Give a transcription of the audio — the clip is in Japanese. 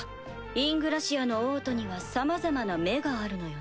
イングラシアの王都にはさまざまな目があるのよね。